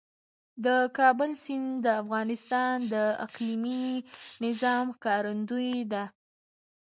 د کابل سیند د افغانستان د اقلیمي نظام ښکارندوی ده.